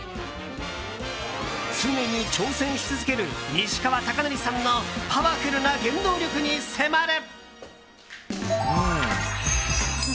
常に挑戦し続ける西川貴教さんのパワフルな原動力に迫る！